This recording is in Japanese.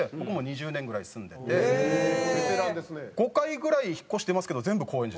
５回ぐらい引っ越してますけど全部高円寺ですね。